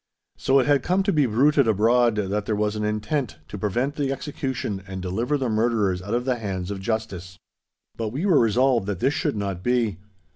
So it had come to be bruited abroad, that there was an intent to prevent the execution and deliver the murderers out of the hands of justice. But we were resolved that this should not be.